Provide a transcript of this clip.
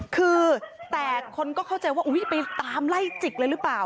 คือแต่คนก็เข้าใจว่าอุ๊ยไปตามไล่จิกเลยหรือเปล่า